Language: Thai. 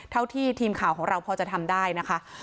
เท่าที่ทีมข่าวของเราพอจะทำได้นะคะ